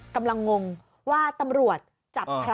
กำลังงงว่าตำรวจจับพระ